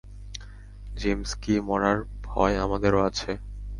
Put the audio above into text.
যিমস্কি, মরার ভয় আমাদেরও আছে!